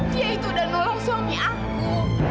dia itu udah nolong suami aku